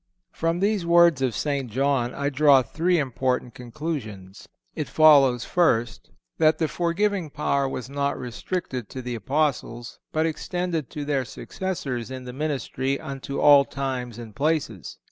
From these words of St. John I draw three important conclusions: It follows, first, that the forgiving power was not restricted to the Apostles, but extended to their successors in the ministry unto all times and places.